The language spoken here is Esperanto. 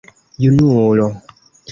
Junulo!